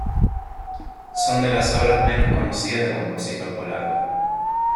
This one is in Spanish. Son de las obras menos conocidas del compositor polaco.